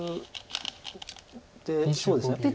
でそうですね。